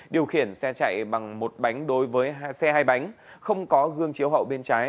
điều khiển xe chạy bằng một bánh đối với xe hai bánh không có gương chiếu hậu bên trái